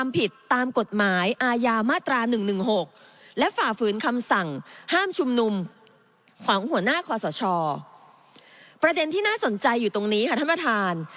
ประเด็นที่น่าสนใจอยู่ตรงนี้ค่ะท่านประธาน